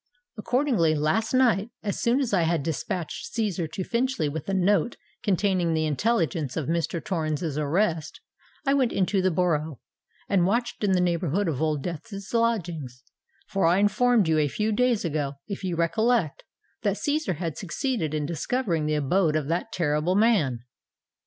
Accordingly, last night, as soon as I had dispatched Cæsar to Finchley with the note containing the intelligence of Mr. Torrens' arrest, I went into the Borough, and watched in the neighbourhood of Old Death's lodgings: for I informed you a few days ago, if you recollect, that Cæsar had succeeded in discovering the abode of that terrible man.